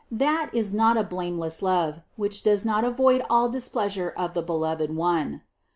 That is not a blameless love, which does not avoid all dis pleasure of the beloved one.